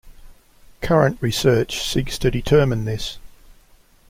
Current research seeks to determine this.